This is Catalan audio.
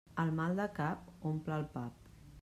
Al mal de cap, omple el pap.